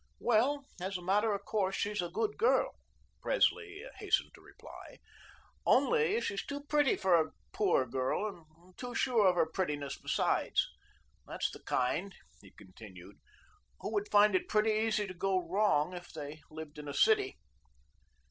"Well, as a matter of course, she's a good girl," Presley hastened to reply, "only she's too pretty for a poor girl, and too sure of her prettiness besides. That's the kind," he continued, "who would find it pretty easy to go wrong if they lived in a city."